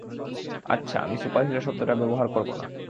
আচ্ছা, আমি সুপারহিরো শব্দটা ব্যবহার করব না।